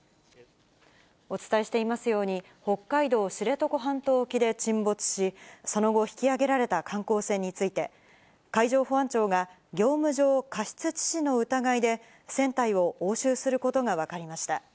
お伝えしていますように、北海道知床半島沖で沈没し、その後、引き揚げられた観光船について、海上保安庁が、業務上過失致死の疑いで、船体を押収することが分かりました。